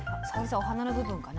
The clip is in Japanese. お花の部分かな？